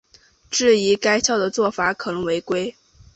质疑该校的做法可能违规。